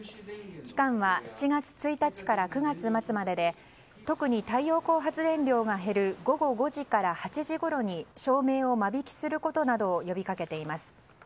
期間は７月１日から９月末までで特に太陽光発電量が減る午後５時から８時ごろに照明を間引きすることなどを呼び掛けています。